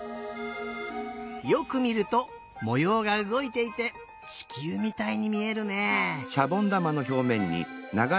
よくみるともようがうごいていてちきゅうみたいにみえるね！